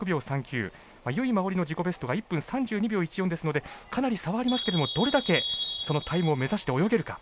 由井真緒里の自己ベストが１分３２秒１４ですのでかなり差はありますけどどれだけそのタイムを目指して泳げるか。